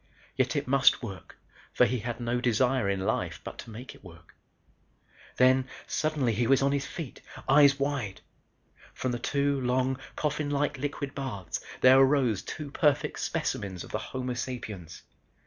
Yet it must work for he had no desire in life but to make it work. Then, suddenly, he was on his feet, eyes wide. From the two long, coffin like liquid baths, there arose two perfect specimens of the Homo sapiens.